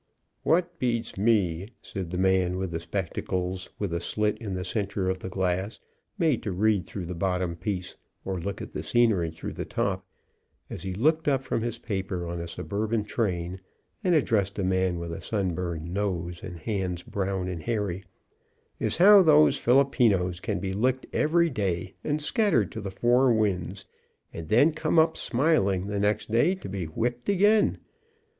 "What beats me," said the man with the spectacles with a slit in the center of the glass, made to read through the bottom piece, or look at the scenery through the top, as he looked up from his paper, on a suburban train, and addressed a man with a sun l82 THE OLD KICKER KICKS burned nose, and hands brown and hairy, "is how those Filipinos can be licked every day, and scattered to the four winds, and then come up smiling the next day to be whipped again.